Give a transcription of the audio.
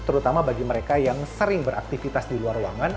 terutama bagi mereka yang sering beraktivitas di luar ruangan